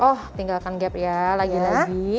oh tinggalkan gap ya lagi lagi